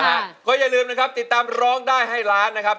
ฮะก็อย่าลืมนะครับติดตามร้องได้ให้ล้านนะครับ